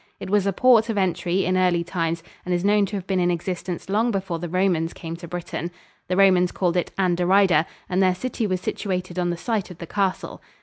It was a port of entry in early times and is known to have been in existence long before the Romans came to Britain. The Romans called it Anderida, and their city was situated on the site of the castle.